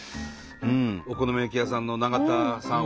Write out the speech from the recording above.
お好み焼き屋さんの永田さん